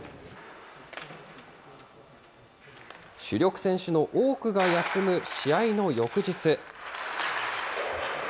主力選手の多くが休む試合の翌日。